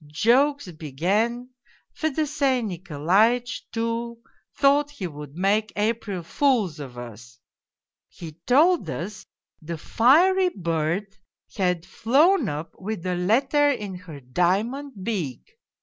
Jokes began. Fedosey Nikolaitch, too, thought he would make April fools of us. He told us the fiery bird had flown up with a letter in her diamond beak !